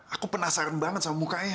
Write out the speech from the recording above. aku penasaran banget sama mukanya